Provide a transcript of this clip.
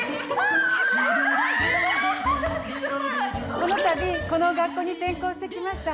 この度この学校に転校してきました